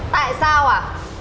tại sao à